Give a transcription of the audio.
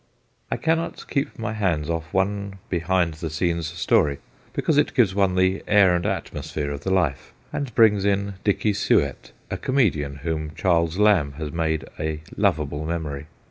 I cannot keep my hands off one behind the scenes story, because it gives one the air and atmosphere of the life, and brings in Dicky Suett, a comedian whom Charles Lamb has made a lovable memory.